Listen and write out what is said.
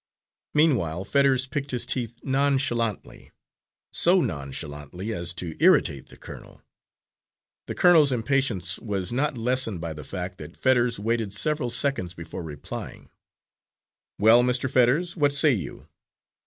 Meanwhile Fetters picked his teeth nonchalantly, so nonchalantly as to irritate the colonel. The colonel's impatience was not lessened by the fact that Fetters waited several seconds before replying. "Well, Mr. Fetters, what say you?"